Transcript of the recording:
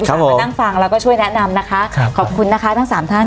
สามารถนั่งฟังแล้วก็ช่วยแนะนำนะคะครับขอบคุณนะคะทั้งสามท่าน